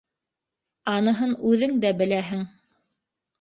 Аныһын үҙең дә беләһең.